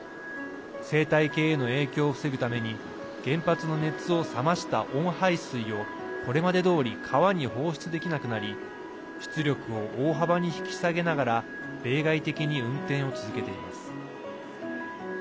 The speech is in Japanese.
生態系への影響を防ぐために原発の熱を冷ました温排水をこれまでどおり川に放出できなくなり出力を大幅に引き下げながら例外的に運転を続けています。